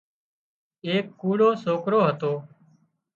ايڪ ڪوڙو سوڪرو هتو